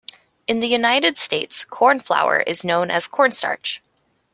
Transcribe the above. In the United States, cornflour is known as cornstarch